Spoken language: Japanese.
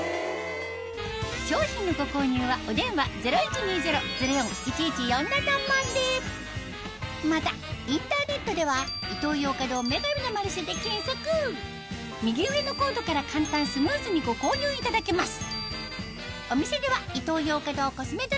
商品のご購入はお電話またインターネットでは右上のコードから簡単スムーズにご購入いただけます